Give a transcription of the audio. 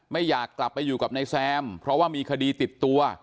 อยากกลับไปอยู่กับนายแซมเพราะว่ามีคดีติดตัว